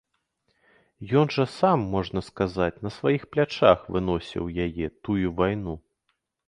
Ён жа сам, можна сказаць, на сваіх плячах выносіў яе, тую вайну.